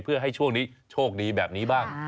เพื่อให้ช่วงนี้โชคดีแบบนี้บ้าง